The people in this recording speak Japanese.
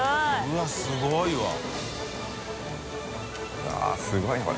うわぁすごいなこれ。